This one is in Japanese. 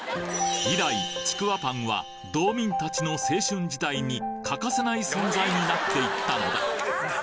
以来ちくわぱんは道民たちの青春時代に欠かせない存在になっていったのだ